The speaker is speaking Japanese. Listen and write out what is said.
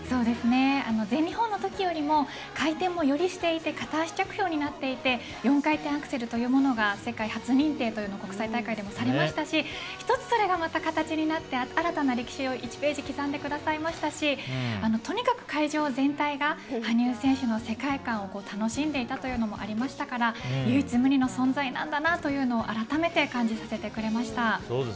全日本の時より回転もよりしていて片足着氷になっていて４回転アクセルというものが世界初認定というのが国際大会でもされましたし１つそれが形になって、新たな歴史を１ページ刻んでくださいましたしとにかく会場全体が羽生選手の世界観を楽しんでいたというのもありましたから唯一無二の存在なんだなというのを改めて感じさせてくれました。